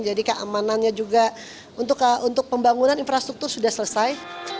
jadi keamanannya juga untuk pembangunan infrastruktur sudah selesai